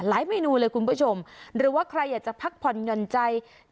เมนูเลยคุณผู้ชมหรือว่าใครอยากจะพักผ่อนหย่อนใจ